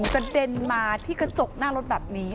กระเด็นมาที่กระจกหน้ารถแบบนี้